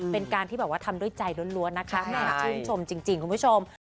เป็นการที่แบบว่าทำด้วยใจล้วนนะคะแม่ชื่นชมจริงคุณผู้ชม